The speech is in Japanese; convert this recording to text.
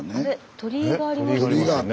鳥居がありますよね。